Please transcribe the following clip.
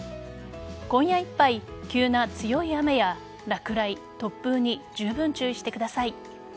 今夜いっぱい急な強い雨や落雷、突風にじゅうぶん注意してください。